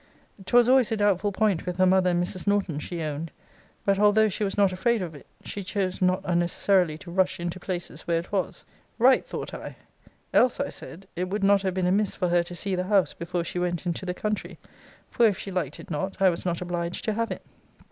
'Twas always a doubtful point with her mother and Mrs. Norton, she owned. But although she was not afraid of it, she chose not unnecessarily to rush into places where it was. Right, thought I Else, I said, it would not have been amiss for her to see the house before she went into the country; for if she liked it not, I was not obliged to have it.